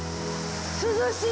涼しい！